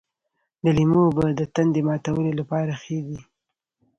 د لیمو اوبه د تندې ماتولو لپاره ښې دي.